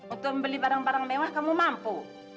untuk membeli barang barang mewah kamu mampu